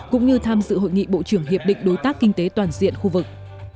cũng như tham dự hội nghị bộ trưởng hiệp định đối tác kinh tế toàn diện khu vực